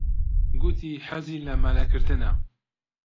گوتی کە حەزی لە مەلەکردنە.